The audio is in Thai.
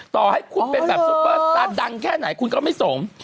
ต่อให้คุณเป็นแบบซุปเปอร์สตาร์ดังแค่ไหนคุณก็ไม่สม